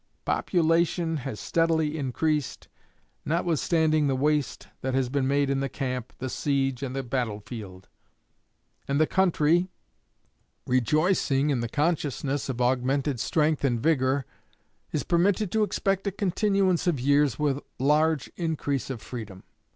Population has steadily increased, notwithstanding the waste that has been made in the camp, the siege, and the battle field; and the country, rejoicing in the consciousness of augmented strength and vigor, is permitted to expect a continuance of years with large increase of freedom.